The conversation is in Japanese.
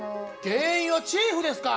原因はチーフですか！？